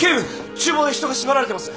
厨房で人が縛られてます。